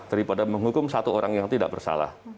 daripada menghukum satu orang yang tidak bersalah